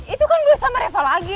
itu kan gue sama reva lagi